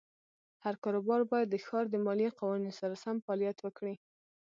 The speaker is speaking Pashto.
هر کاروبار باید د ښار د مالیې قوانینو سره سم فعالیت وکړي.